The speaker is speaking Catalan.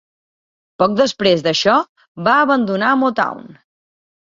Poc després d'això va abandonar Motown.